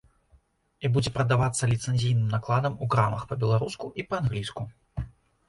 І будзе прадавацца ліцэнзійным накладам у крамах па-беларуску і па-англійску.